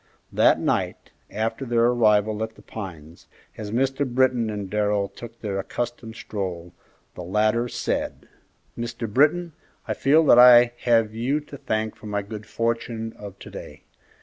That night, after their arrival at The Pines, as Mr. Britton and Darrell took their accustomed stroll, the latter said, "Mr. Britton, I feel that I have you to thank for my good fortune of to day.